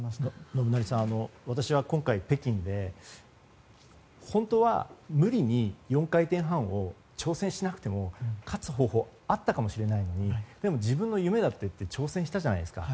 信成さん、私は今回北京で本当は無理に４回転半挑戦しなくても勝つ方法あったかもしれないのに自分の夢だと言って挑戦したじゃないですか。